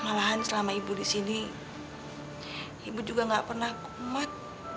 malahan selama ibu di sini ibu juga nggak pernah kuat